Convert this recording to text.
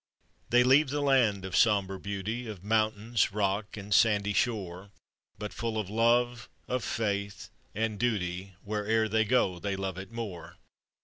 They leave the land of sombre beauty Of mountains, rock and sandy shore, But full of love, of faith, and duty, Where ere they go they love it more.